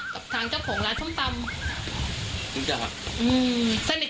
กับทางเจ้าของร้านทำตำรู้จักค่ะอืมสนิทกันมากไหมคะ